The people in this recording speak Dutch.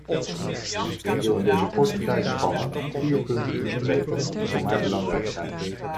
Ik wil in deze korte tijdsspanne vier punten bespreken die voor mij belangrijk zijn.